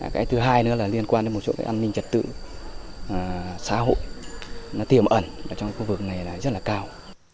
cái thứ hai nữa là liên quan đến một số cái an ninh trật tự xã hội nó tiềm ẩn trong khu vực này là rất là cao